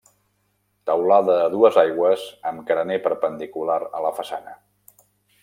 Teulada a dues aigües amb carener perpendicular a la façana.